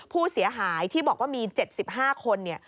ผู้เสียหายที่บอกว่ามี๗๕คน